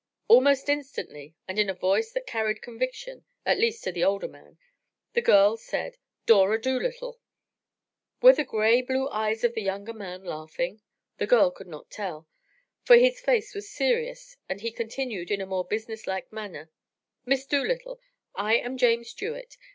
Almost instantly and in a voice that carried conviction, at least to the older man, the girl said: "Dora Dolittle." Were the gray blue eyes of the younger man laughing? The girl could not tell, for his face was serious and he continued in a more business like manner: "Miss Dolittle, I am James Jewett.